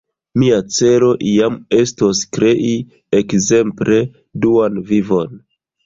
Mia celo iam estos krei, ekzemple, Duan Vivon.